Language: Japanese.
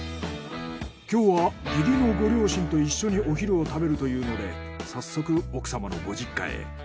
今日は義理のご両親と一緒にお昼を食べるというので早速奥様のご実家へ。